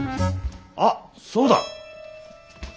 あっそうだ。